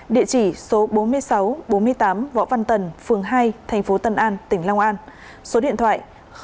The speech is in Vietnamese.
địa chỉ số bốn nghìn sáu trăm bốn mươi tám võ văn tần phường hai tp tân an tỉnh long an số điện thoại hai nghìn bảy trăm hai mươi ba chín trăm tám mươi chín nghìn hai trăm linh